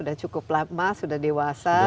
dan merupakan perusahaan yang berkembang di indonesia